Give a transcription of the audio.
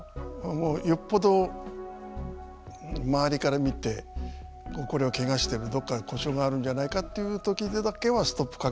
もうよっぽど周りから見てこれはけがしてるどこか故障があるんじゃないかというときだけはストップかけるでしょうけども。